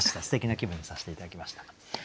すてきな気分にさせて頂きました。